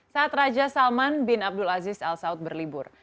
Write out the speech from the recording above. saat raja salman bin abdul aziz al saud berlibur